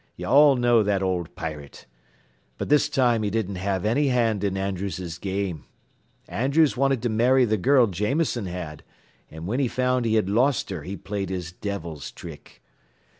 Ye all know that old pirit. But this time he didn't have any hand in Andrews's game. Andrews wanted to marry the girl Jameson had, an' whin he found he had lost her he played his devil's trick.